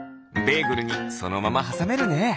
ベーグルにそのままはさめるね。